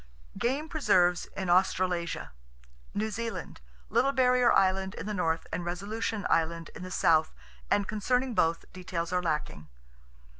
Game Preserves In Australasia New Zealand: Little Barrier Island in the north, and Resolution Island, in the south; and concerning both, details are lacking.